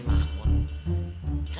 umi nggak habis pikir bah